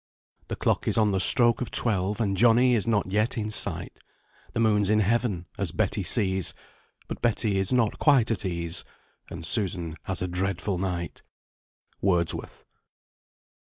The clock is on the stroke of twelve, And Johnny is not yet in sight, The moon's in heaven, as Betty sees, But Betty is not quite at ease; And Susan has a dreadful night." WORDSWORTH.